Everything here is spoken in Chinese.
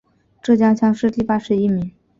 浙江乡试第八十一名。